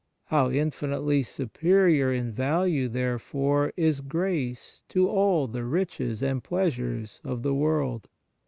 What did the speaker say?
1 How infinitely superior in value, therefore, is grace to all the riches and pleasures of the world